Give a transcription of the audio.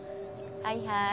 はいはい。